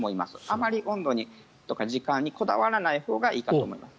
あまり温度とか時間にこだわらないほうがいいと思います。